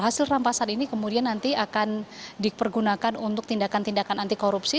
hasil rampasan ini kemudian nanti akan dipergunakan untuk tindakan tindakan anti korupsi